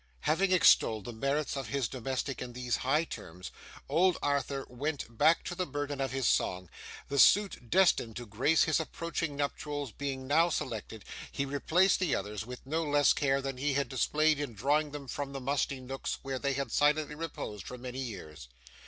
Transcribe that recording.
Having extolled the merits of his domestic in these high terms, old Arthur went back to the burden of his song. The suit destined to grace his approaching nuptials being now selected, he replaced the others with no less care than he had displayed in drawing them from the musty nooks where they had silently reposed for many years.